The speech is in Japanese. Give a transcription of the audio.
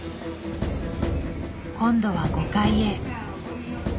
今度は５階へ。